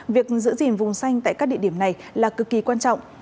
việc giữ gìn vùng xanh tại các địa điểm này là cực kỳ quan trọng